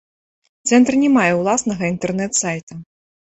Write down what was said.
Цэнтр не мае ўласнага інтэрнэт-сайта.